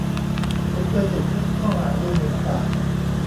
ฉันเคยติดคุกข้อหาดูหมิ่นศาล